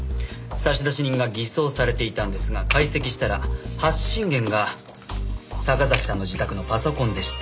差出人が偽装されていたんですが解析したら発信元が坂崎さんの自宅のパソコンでした。